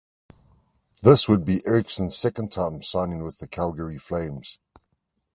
This would be Eriksson's second time signing with the Calgary Flames.